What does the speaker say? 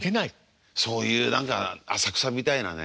そういう何か浅草みたいなね